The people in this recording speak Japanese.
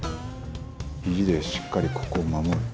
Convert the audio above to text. ひじでしっかりここを守る。